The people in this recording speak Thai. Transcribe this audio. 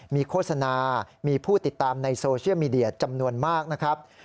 มีโฆษณามีผู้ติดตามในโซเชียลมีเดียจำนวนมากนะครับ